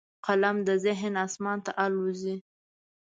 قلم د ذهن اسمان ته الوزي